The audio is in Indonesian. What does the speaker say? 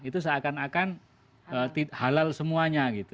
itu seakan akan halal semuanya gitu